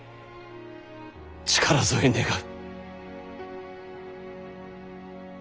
力添え願う。